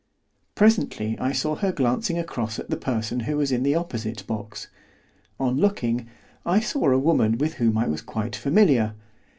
Presently I saw her glancing across at the person who was in the opposite box; on looking, I saw a woman with whom I was quite familiar.